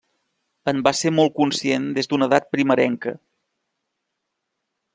En va ser molt conscient des d'una edat primerenca.